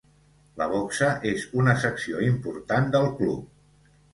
La boxa és una secció important del club.